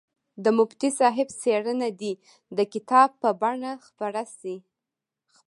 د مفتي صاحب څېړنه دې د کتاب په بڼه خپره شي.